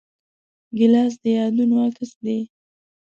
ګیلاس د یادونو عکس دی.